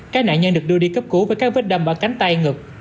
các nạn nhân được đưa đi cấp cứu với các vết đâm vào cánh tay ngực